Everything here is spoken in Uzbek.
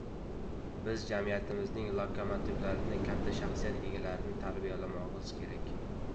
Biz jamiyatimizning lokomativlarini, katta shaxsiyat egalarini tarbiyalamog‘imiz kerak.